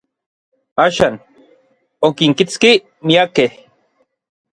Axan, okinkitski miakej.